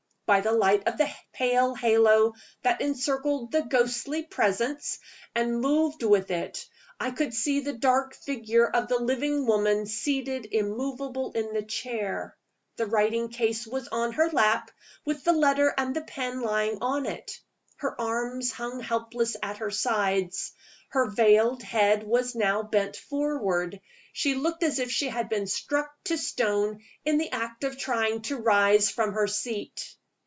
By the light of the pale halo that encircled the ghostly Presence, and moved with it, I could see the dark figure of the living woman seated immovable in the chair. The writing case was on her lap, with the letter and the pen lying on it. Her arms hung helpless at her sides; her veiled head was now bent forward. She looked as if she had been struck to stone in the act of trying to rise from her seat.